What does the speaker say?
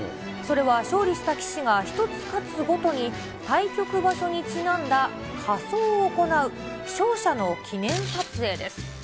それは勝利した棋士が１つ勝つごとに、対局場所にちなんだ仮装を行う、勝者の記念撮影です。